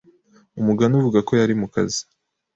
Umugani uvuga ko yari mukazi.